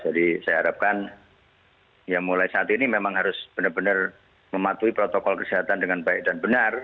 jadi saya harapkan ya mulai saat ini memang harus benar benar mematuhi protokol kesehatan dengan baik dan benar